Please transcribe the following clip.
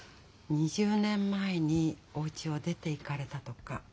２０年前におうちを出ていかれたとか。